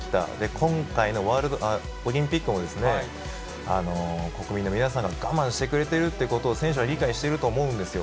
今回のオリンピックも、国民の皆さんが我慢してくれてるっていうことを、選手は理解していると思うんですよ。